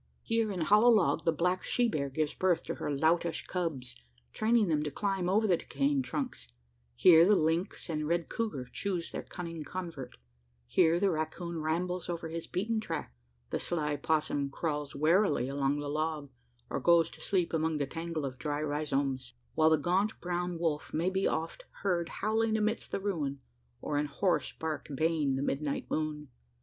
Here in hollow log the black she bear gives birth to her loutish cubs, training them to climb over the decaying trunks; here the lynx and red couguar choose their cunning convert; here the racoon rambles over his beaten track; the sly opossum crawls warily along the log, or goes to sleep among the tangle of dry rhizomes; while the gaunt brown wolf may be often heard howling amidst the ruin, or in hoarse bark baying the midnight moon.